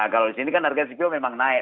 kalau di sini kan harga cpo memang naik